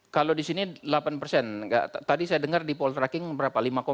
kalau di sini delapan tadi saya dengar di poll tracking berapa lima ya